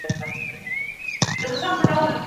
اطاعت د مسلمان لپاره فرض دی.